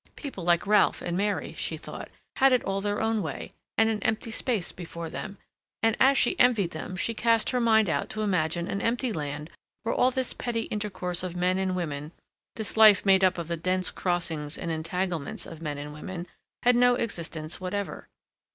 People like Ralph and Mary, she thought, had it all their own way, and an empty space before them, and, as she envied them, she cast her mind out to imagine an empty land where all this petty intercourse of men and women, this life made up of the dense crossings and entanglements of men and women, had no existence whatever.